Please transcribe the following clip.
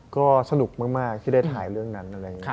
ก็สนุกมากที่ได้ถ่ายเรื่องนั้น